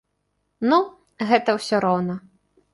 Ну, гэта ўсё роўна.